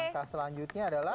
langkah selanjutnya adalah